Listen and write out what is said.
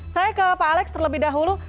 saya ke pak alex terlebih dahulu